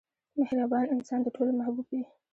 • مهربان انسان د ټولو محبوب وي.